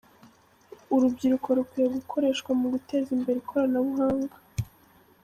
Urubyiruko rukwiye gukoreshwa mu guteza imbere ikoranabuhanga .